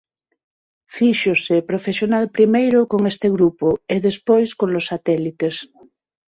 Fíxose profesional primeiro con este grupo e despois con Los Satélites.